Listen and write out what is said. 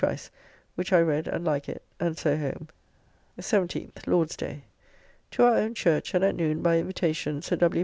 Trice, which I read and like it, and so home. 17th (Lord's day). To our own church, and at noon, by invitation, Sir W.